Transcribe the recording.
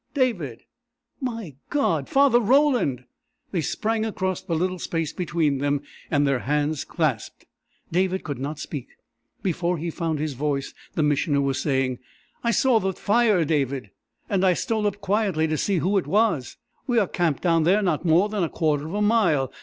"David!" "My God Father Roland!" They sprang across the little space between them, and their hands clasped. David could not speak. Before he found his voice, the Missioner was saying: "I saw the fire, David, and I stole up quietly to see who it was. We are camped down there not more than a quarter of a mile.